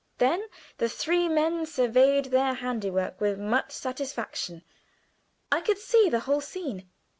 Then the three men surveyed their handiwork with much satisfaction. I could see the whole scene.